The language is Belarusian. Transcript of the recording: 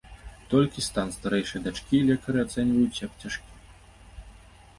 Толькі стан старэйшай дачкі лекары ацэньваюць як цяжкі.